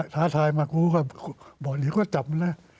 ถ้าถ่ายมากูก็บอกหรือก็จับมันแล้ว